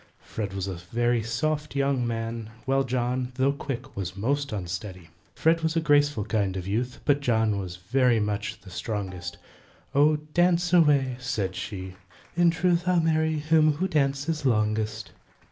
FRED was a very soft young man, While JOHN, though quick, was most unsteady. FRED was a graceful kind of youth, But JOHN was very much the strongest. "Oh, dance away," said she, "in truth, I'll marry him who dances longest."